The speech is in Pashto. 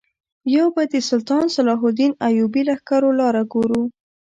یو به د سلطان صلاح الدین ایوبي لښکرو لاره ګورو.